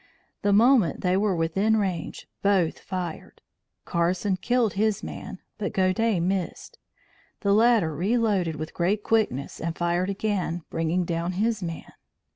The moment they were within range, both fired. Carson killed his man, but Godey missed. The latter reloaded with great quickness and fired again, bringing down his man.